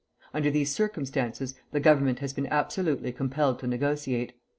Under these circumstances the Government has been absolutely compelled to negotiate.